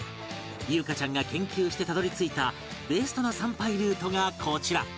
裕加ちゃんが研究してたどり着いたベストな参拝ルートがこちら